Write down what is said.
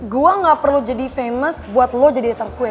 gue gak perlu jadi famous buat lo jadi haters gue